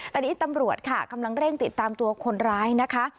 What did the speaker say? ตอนนี้ตำรวจค่ะกำลังเร่งติดตามตัวคนร้ายนะคะ